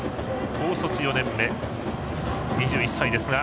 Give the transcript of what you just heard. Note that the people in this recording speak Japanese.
高卒４年目、２１歳ですが。